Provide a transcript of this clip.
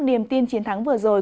niềm tin chiến thắng vừa rồi